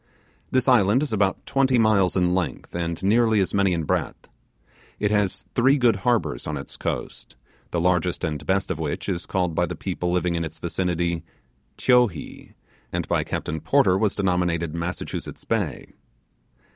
This island is about twenty miles in length and nearly as many in breadth. It has three good harbours on its coast; the largest and best of which is called by the people living in its vicinity 'Taiohae', and by Captain Porter was denominated Massachusetts Bay.